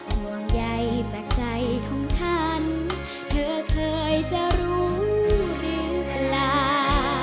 ห่วงใยจากใจของฉันเธอเคยจะรู้หรือเปล่า